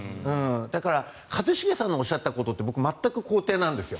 だから一茂さんのおっしゃったことって僕、全く肯定なんですよ。